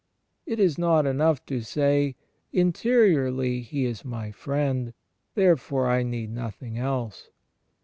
It is not enough to say, "Interiorly He is my Friend, therefore I need nothing else."